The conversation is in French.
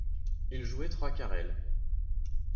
Il jouait trois quart aile.